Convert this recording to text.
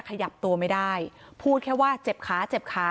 ขยับตัวไม่ได้พูดแค่ว่าเจ็บขาเจ็บขา